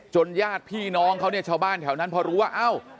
ญาติพี่น้องเขาเนี่ยชาวบ้านแถวนั้นพอรู้ว่าเอ้า